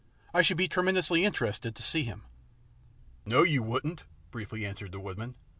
I should be tremendously interested to see him." "No you wouldn't," briefly answered the woodman.